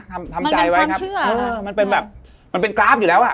ทำทำใจไว้ครับมันเป็นความเชื่อเออมันเป็นแบบมันเป็นกราฟอยู่แล้วอ่ะ